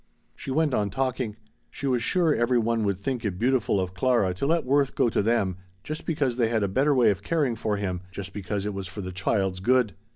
She went on talking. She was sure every one would think it beautiful of Clara to let Worth go to them just because they had a better way of caring for him, just because it was for the child's good.